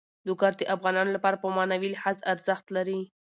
لوگر د افغانانو لپاره په معنوي لحاظ ارزښت لري.